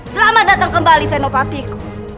selamat datang kembali senopatiku